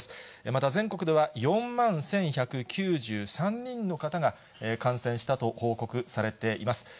また全国では４万１１９３人の方が感染したと報告されています。